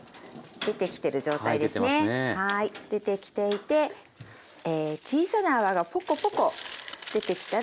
出てきていて小さな泡がポコポコ出てきたら。